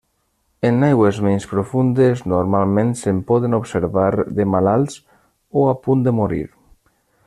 En aigües menys profundes normalment se'n poden observar de malalts o a punt de morir.